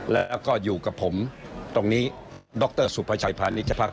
และก็อยู่กับผมตรงนี้ดรสุประชัยพาณิชชะพักษ์